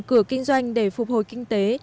mở cửa kinh doanh để phục hồi kinh tế